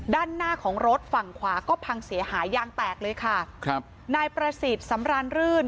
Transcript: ด้านหน้าของรถฝั่งขวาก็พังเสียหายยางแตกเลยค่ะครับนายประสิทธิ์สำรานรื่น